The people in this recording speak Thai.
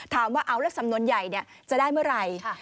ถามว่าเอาเลขสำนวนใหญ่จะได้เมื่อไหร่